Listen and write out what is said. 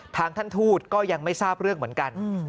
ทางท่านทูตก็ยังไม่ทราบเรื่องเหมือนกัน